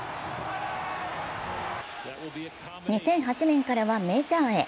２００８年からはメジャーへ。